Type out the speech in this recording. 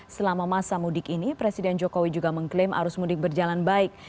selama masa mudik ini presiden jokowi juga mengklaim arus mudik berjalan baik